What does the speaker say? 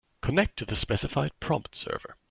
Connect to the specified prompt server.